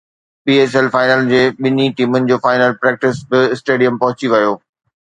P S L final جي ٻنهي ٽيمن جو فائنل پريڪٽس به اسٽيڊيم پهچي ويو